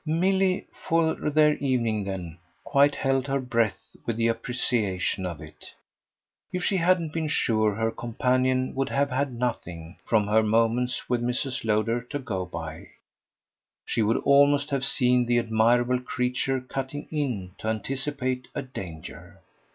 Milly, for their evening then, quite held her breath with the appreciation of it. If she hadn't been sure her companion would have had nothing, from her moments with Mrs. Lowder, to go by, she would almost have seen the admirable creature "cutting in" to anticipate a danger.